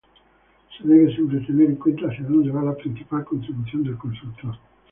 Se debe siempre tener en cuenta hacia dónde va la principal contribución del consultor.